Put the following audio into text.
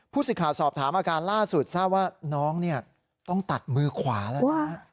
สิทธิ์สอบถามอาการล่าสุดทราบว่าน้องเนี่ยต้องตัดมือขวาแล้วนะ